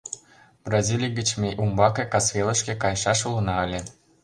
Бразилий гыч ме умбаке, касвелышке, кайышаш улына ыле.